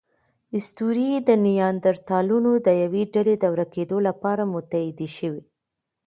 اسطورې د نیاندرتالانو د یوې ډلې د ورکېدو لپاره متحدې شوې.